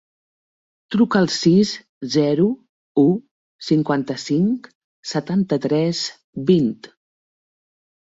Truca al sis, zero, u, cinquanta-cinc, setanta-tres, vint.